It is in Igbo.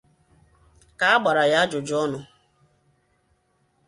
Ka a gbara ya ajụjụọnụ